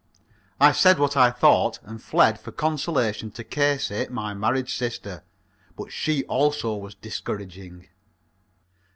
I said what I thought, and fled for consolation to Casey, my married sister. But she also was discouraging.